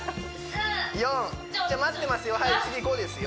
４じゃ待ってますよ